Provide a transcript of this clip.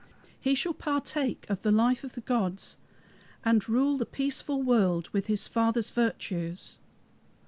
He shall partake of the life of the gods, And rule the peaceful world with his father's virtues."